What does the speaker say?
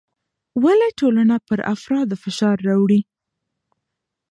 ولې ټولنه پر افرادو فشار راوړي؟